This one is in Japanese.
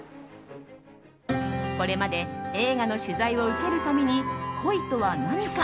これまで映画の取材を受ける度に恋とは何か？